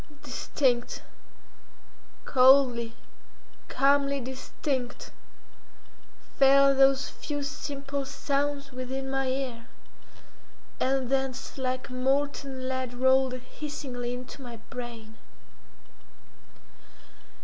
Distinct, coldly, calmly distinct, fell those few simple sounds within my ear, and thence like molten lead rolled hissingly into my brain.